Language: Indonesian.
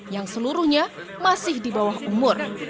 yang seluruhnya masih di bawah umur